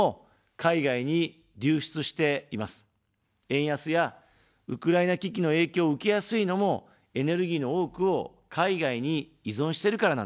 円安やウクライナ危機の影響を受けやすいのも、エネルギーの多くを海外に依存してるからなんですね。